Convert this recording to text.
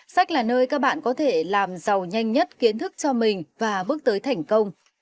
sách là nơi các bạn có thể làm giàu nhanh nhất kiến thức cho mình và bước tới thành công